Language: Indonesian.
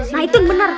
nah itu bener